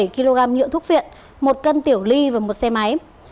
bảy kg nhựa thuốc viện một cân tiểu ly và một xe máy